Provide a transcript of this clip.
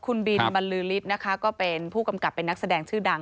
คุณบินบันลื้อริตก็เป็นผู้กำกัดเป็นนักแสดงชื่อดัง